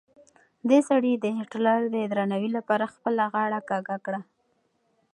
دې سړي د هېټلر د درناوي لپاره خپله غاړه کږه کړه.